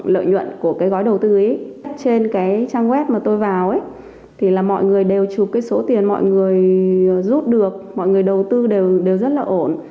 lợi nhuận của cái gói đầu tư ấy trên cái trang web mà tôi vào ấy thì là mọi người đều chụp cái số tiền mọi người rút được mọi người đầu tư đều rất là ổn